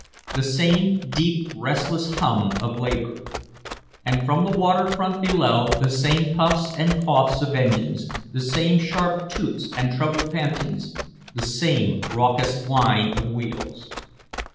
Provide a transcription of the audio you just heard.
The same deep, restless hum of labor. And from the waterfront below the same puffs and coughs of engines, the same sharp toots and treble pantings, the same raucous whine of wheels.